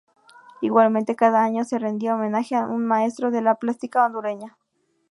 Igualmente, cada año se rendía homenaje a un maestro de la plástica hondureña.